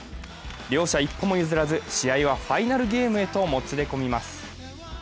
両者一歩も譲らず試合はファイナルゲームへともつれ込みます。